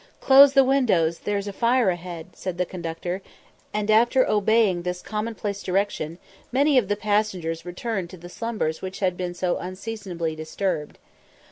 "Close the windows, there's a fire a head," said the conductor; and after obeying this commonplace direction, many of the passengers returned to the slumbers which had been so unseasonably disturbed.